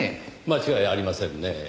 間違いありませんねぇ。